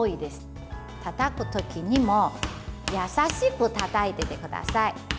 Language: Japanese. たたく時にも優しくたたいてください。